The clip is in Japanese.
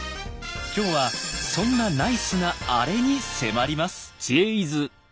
今日はそんなナイスなアレに迫ります。